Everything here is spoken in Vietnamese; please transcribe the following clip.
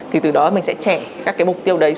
thì từ đó mình sẽ trẻ các cái mục tiêu đấy